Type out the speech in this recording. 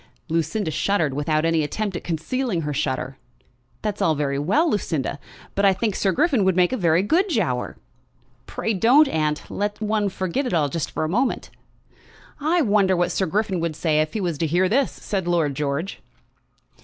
Lucinda shuddered, without any attempt at concealing her shudder. "That's all very well, Lucinda, but I think Sir Griffin would make a very good Giaour." "Pray don't, aunt. Let one forget it all just for a moment." "I wonder what Sir Griffin would say if he was to hear this!" said Lord George.